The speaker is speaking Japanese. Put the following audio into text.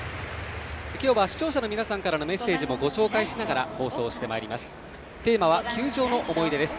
今日は視聴者の皆様からのメッセージもご紹介しながら放送してまいります。